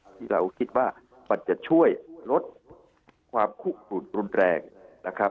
ที่เราคิดว่ามันจะช่วยลดความคุกกลุ่นรุนแรงนะครับ